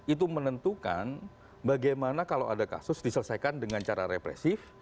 itu menentukan bagaimana kalau ada kasus diselesaikan dengan cara represif